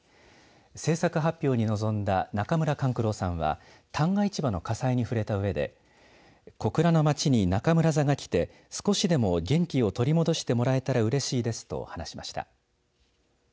制作発表に臨んだ中村勘九郎さんは旦過市場の火災に触れたうえで小倉の街に中村座が来て少しでも元気を取り戻してもらえたらうれしいですと話しました。